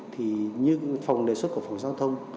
thì như phòng đề xuất của phòng giao thông